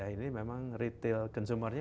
ini memang retail consumernya